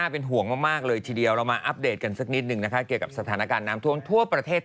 พูดอะไรไม่เคยผิดนะ